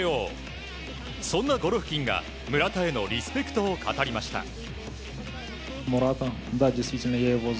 そんなゴロフキンが村田へのリスペクトを語りました。